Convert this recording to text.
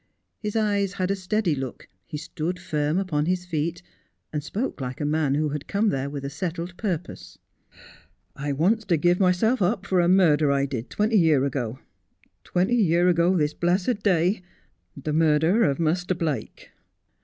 His eyes had a steady look, he stood firm upon his feet, and spoke like a man who had come there with a settled purpose. ' I wants to give myself up for a murder I did twenty year ago — twenty year ago this blessed day — the murder of Muster Blake.'